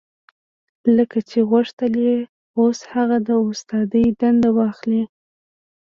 لکه چې غوښتل يې اوس هغه د استادۍ دنده واخلي.